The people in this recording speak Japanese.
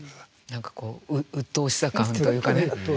何かこううっとうしさ感というかね。